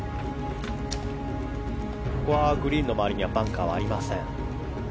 ここはグリーンの周りにはバンカーはありません。